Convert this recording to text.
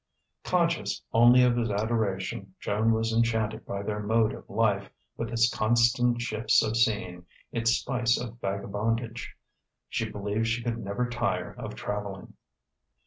Conscious only of his adoration, Joan was enchanted by their mode of life, with its constant shifts of scene, its spice of vagabondage. She believed she could never tire of travelling.